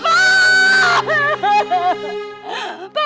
bapak bangun pak